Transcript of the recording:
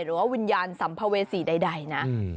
หรือว่าวิญญาณสัมภเวษีใดนะ